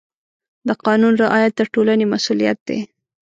د قانون رعایت د ټولنې مسؤلیت دی.